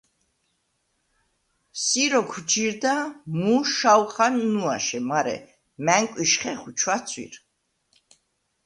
“სი როქუ̂ ჯირდა მუ შაუ̂ხან ნუაშე, მარე მა̈ნკუ̂იშ ხეხუ̂ ჩუ̂აცუ̂ირ.